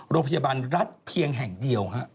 โรงพยาบาลรัฐเพียงแห่งเดียว